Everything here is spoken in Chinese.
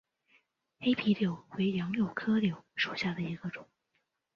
黑皮柳为杨柳科柳属下的一个种。